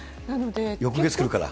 翌月来るから。